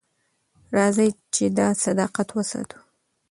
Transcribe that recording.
راځئ چې دا صداقت وساتو.